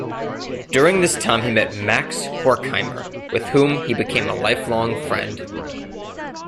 During this time he met Max Horkheimer, with whom he became a lifelong friend.